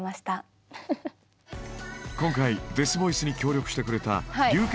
今回デスボイスに協力してくれた流血